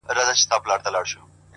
• چاته يادي سي كيسې په خـامـوشۍ كــي ـ